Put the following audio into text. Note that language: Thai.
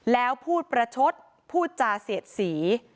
แล้วพูดประชดพูดจาเสียดสี